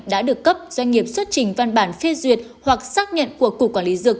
đã được cấp doanh nghiệp xuất trình văn bản phê duyệt hoặc xác nhận của cục quản lý dược